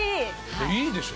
いいでしょ？